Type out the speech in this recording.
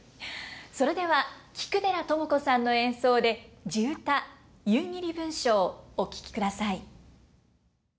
それでは菊寺智子さんの演奏で地唄「夕霧文章」お聴きください。